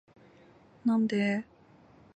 なんでーーー